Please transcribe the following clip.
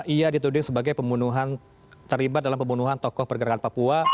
ia dituding sebagai pembunuhan terlibat dalam pembunuhan tokoh pergerakan papua